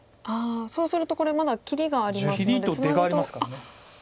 そうするとこれまだ切りがありますのでツナぐと。